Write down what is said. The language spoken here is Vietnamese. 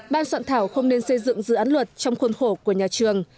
ban soạn thảo không nên xây dựng dự án luật trong khuôn khổ của nhà trường